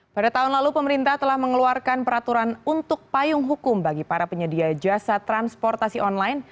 pada tahun lalu pemerintah telah mengeluarkan peraturan untuk payung hukum bagi para penyedia jasa transportasi online